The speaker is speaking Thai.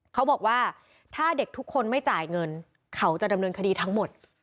เขาบอกว่าถ้าเด็กทุกคนไม่จ่ายเงินเขาจะดำเนินคดีทั้งหมด